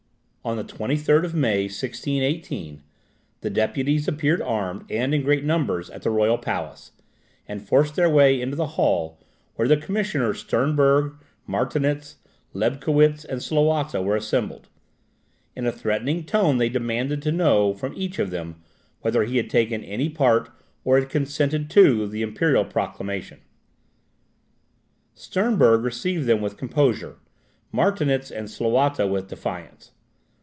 On the 23rd of May, 1618, the deputies appeared armed, and in great numbers, at the royal palace, and forced their way into the hall where the Commissioners Sternberg, Martinitz, Lobkowitz, and Slawata were assembled. In a threatening tone they demanded to know from each of them, whether he had taken any part, or had consented to, the imperial proclamation. Sternberg received them with composure, Martinitz and Slawata with defiance.